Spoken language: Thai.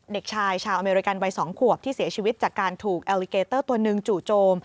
เด็กชายชาวอเมริกันวัย๒ขวบที่เสียชีวิตจากการถูกแอลลิเกเตอร์ตัวหนึ่งจู่โจม